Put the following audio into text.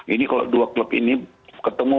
ini kalau dua klub ini ketemu